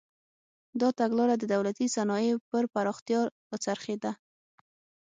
دا تګلاره د دولتي صنایعو پر پراختیا راڅرخېده.